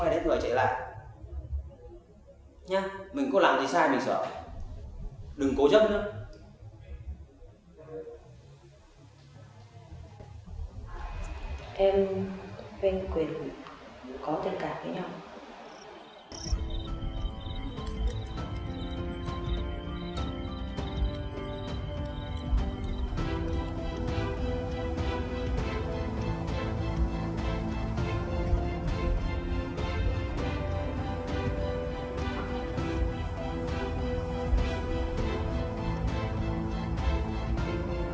đây em nghĩ đi